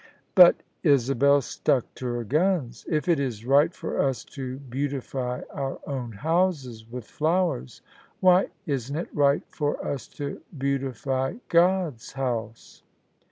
But Isabel stuck to her guns. " If it is right for us to beautify our own houses with flowers, why isn't it right for us to beautify God's House?